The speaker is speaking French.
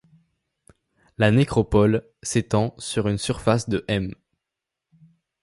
La nécropole s'étend sur une surface de m.